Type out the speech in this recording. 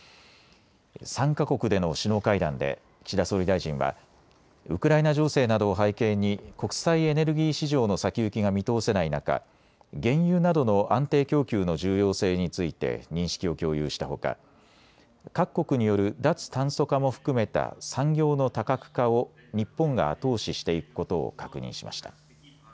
３か国での首脳会談で岸田総理大臣はウクライナ情勢などを背景に国際エネルギー市場の先行きが見通せない中、原油などの安定供給の重要性について認識を共有したほか、各国による脱炭素化も含めた産業の多角化を日本が後押ししていくことを確認しました。